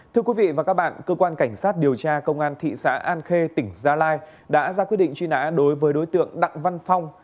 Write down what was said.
thưa quý vị và các bạn cơ quan cảnh sát điều tra công an thị xã an khê tỉnh gia lai đã ra quyết định truy nã đối với đối tượng đặng văn phong